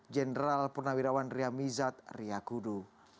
jenderal purnawirawan riyamizat riyakudu